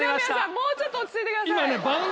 もうちょっと落ち着いてください。